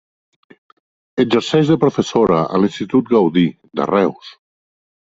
Exerceix de professora a l'Institut Gaudí, de Reus.